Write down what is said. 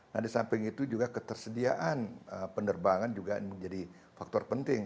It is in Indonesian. nah di samping itu juga ketersediaan penerbangan juga menjadi faktor penting